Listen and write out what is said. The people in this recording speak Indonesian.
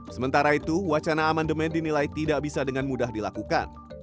sementara itu wacana amandemen dinilai tidak bisa dengan mudah dilakukan